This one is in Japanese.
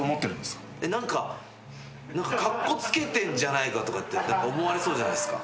何か何かカッコつけてんじゃないかとかって思われそうじゃないっすか。